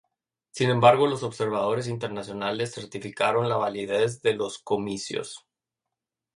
Sin embargo los observadores internacionales certificaron la validez de los comicios.